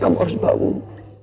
kamu harus bangun